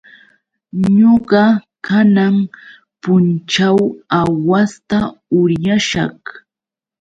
Ñuqa kanan punćhaw aawasta uryashaq.